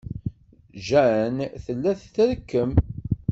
Jane tella trekkem.